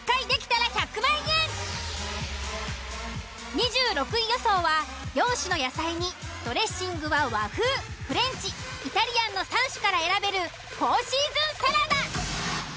２６位予想は４種の野菜にドレッシングは和風フレンチイタリアンの３種から選べるフォーシーズンサラダ。